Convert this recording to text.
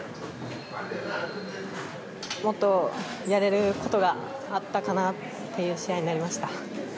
もっとやれることがあったかなという試合になりました。